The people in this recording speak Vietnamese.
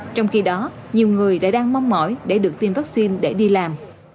trong khi đó nhiều người lại đang mong mỏi để được tiêm vaccine để đi làm